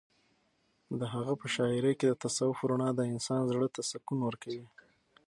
د هغه په شاعرۍ کې د تصوف رڼا د انسان زړه ته سکون ورکوي.